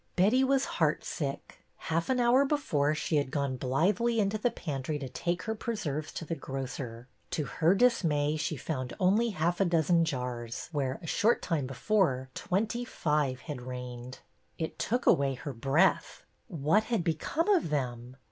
Betty was heartsick. Half an hour before she had gone blithely into the pantry to take her preserves to the grocer. To her dismay she found only half a dozen jars where, a short time before, twenty five had reigned. It took away her breath. What had become of them?